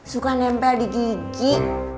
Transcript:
suka nempel di gigi